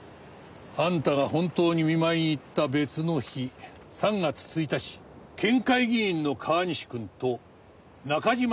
あんたが本当に見舞いに行った別の日「３月１日県会議員の川西君と中島さんが見舞いに来た」。